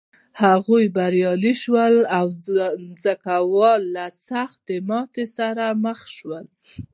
هغوی بریالي شول او ځمکوال له سختې ماتې سره مخ شول.